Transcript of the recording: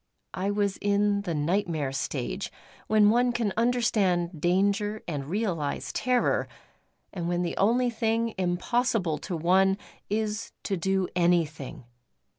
I was in the nightmare stage, when one can understand danger and realise terror; and when the only thing impossible to one is to do anything.